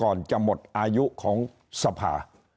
ก่อนจะหมดอายุของสภา